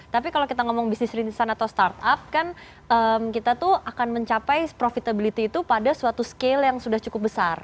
tapi kalau kita ngomong bisnis rintisan atau startup kan kita tuh akan mencapai profitability itu pada suatu scale yang sudah cukup besar